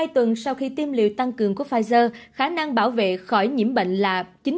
hai tuần sau khi tiêm liều tăng cường của pfizer khả năng bảo vệ khỏi nhiễm bệnh là chín mươi